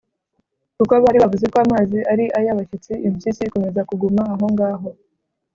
kuko bari bavuze ko amazi ari ay’abashyitsi, impyisi ikomeza kuguma aho ngaho.